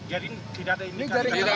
jadi tidak ada ini